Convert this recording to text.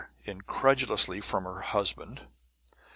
incredulously, from her husband.